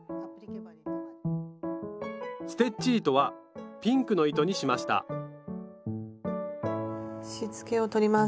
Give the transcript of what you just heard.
ステッチ糸はピンクの糸にしましたしつけを取ります。